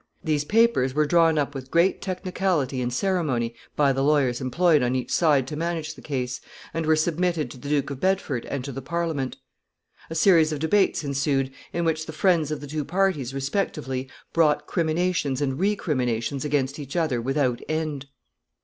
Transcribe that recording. These papers were drawn up with great technicality and ceremony by the lawyers employed on each side to manage the case, and were submitted to the Duke of Bedford and to the Parliament. A series of debates ensued, in which the friends of the two parties respectively brought criminations and recriminations against each other without end.